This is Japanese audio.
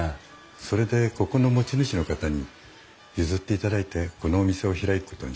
それでここの持ち主の方に譲っていただいてこのお店を開くことにしたんです。